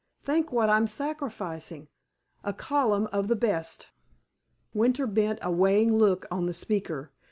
Think what I'm sacrificing—a column of the best." Winter bent a weighing look on the speaker.